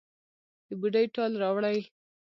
د بوډۍ ټال راوړي